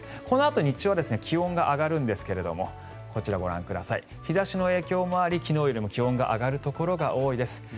このあと日中は気温が上がるんですがこちら、日差しの影響もあり昨日より気温が上がるところも多いです。